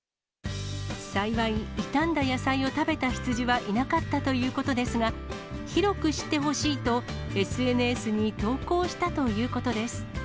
幸い、傷んだ野菜を食べた羊はいなかったということですが、広く知ってほしいと、ＳＮＳに投稿したということです。